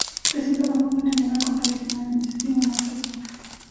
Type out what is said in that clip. Presenta una forma triangular con el eje mayor en sentido norte-sur.